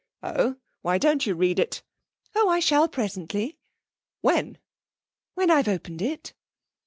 'Oh. Why don't you read it?' 'Oh! I shall presently.' 'When?' 'When I've opened it.'